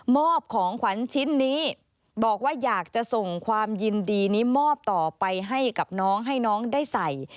อบของขวัญชิ้นนี้บอกว่าอยากจะส่งความยินดีนี้มอบต่อไปให้กับน้องให้น้องได้ใส่